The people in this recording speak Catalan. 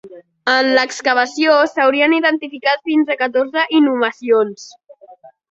En l'excavació s'haurien identificat fins a catorze inhumacions.